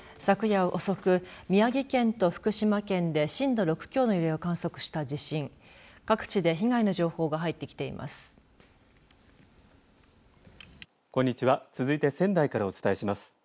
昨夜遅く宮城県と福島県で震度６強の揺れを観測した地震各地で被害の情報が入ってきています。